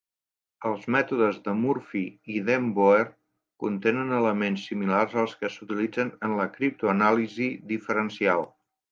Els mètodes de Murphy i den Boer contenen elements similars als que s'utilitzen en la criptoanàlisi diferencial.